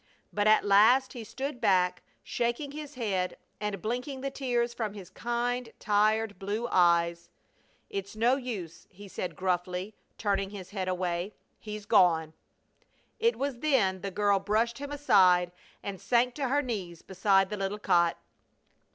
But at last he stood back, shaking his head and blinking the tears from his kind, tired, blue eyes. "It's no use," he said, gruffly, turning his head away. "He's gone!" It was then the girl brushed him aside and sank to her knees beside the little cot.